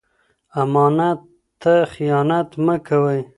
امانت ته خيانت مه کوئ.